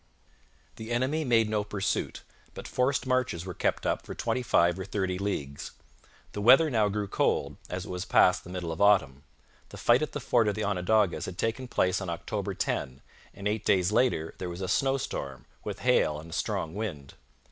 The enemy made no pursuit, but forced marches were kept up for twenty five or thirty leagues. The weather now grew cold, as it was past the middle of autumn. The fight at the fort of the Onondagas had taken place on October 10, and eight days later there was a snowstorm, with hail and a strong wind.